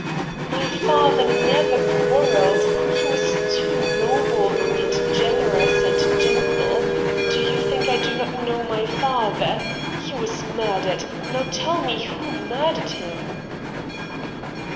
' My father never quarrelled ; he was too noble, and generous, and gentle. Do you think I do not know my father? He was I90 RED DIAMONDS murdered ; now tell me who murdered him.'